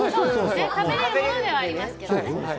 食べれるものではありますけれどもね。